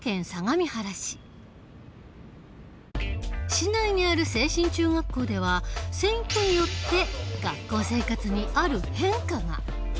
市内にある清新中学校では選挙によって学校生活にある変化が。